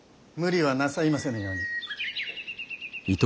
無理はなさいませぬように。